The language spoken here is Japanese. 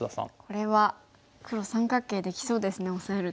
これは黒三角形できそうですねオサえると。